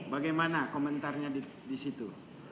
bagaimana komentarnya di situ